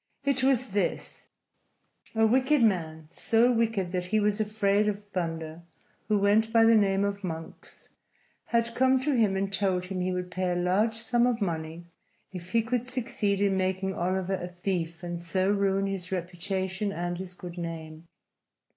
It was this: A wicked man so wicked that he was afraid of thunder who went by the name of Monks, had come to him and told him he would pay a large sum of money if he could succeed in making Oliver a thief and so ruin his reputation and his good name.